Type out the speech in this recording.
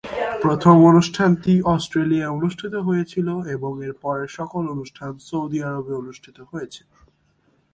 প্রথম অনুষ্ঠানটি অস্ট্রেলিয়ায় অনুষ্ঠিত হয়েছিল এবং এরপরের সকল অনুষ্ঠান সৌদি আরবে অনুষ্ঠিত হয়েছে।